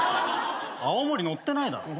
青森載ってないだろ。